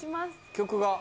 曲が。